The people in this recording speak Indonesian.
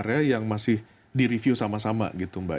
ada di area yang masih di review sama sama gitu mbak